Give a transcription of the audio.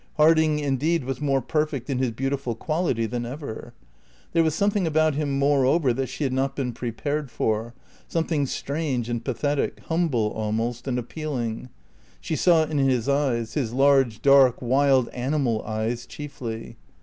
Harding, indeed, was more perfect in his beautiful quality than ever. There was something about him moreover that she had not been prepared for, something strange and pathetic, humble almost and appealing. She saw it in his eyes, his large, dark, wild animal eyes, chiefly.